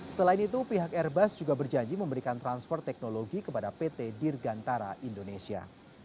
selain itu pihak airbus juga berjanji memberikan transfer teknologi kepada pt dirgantara indonesia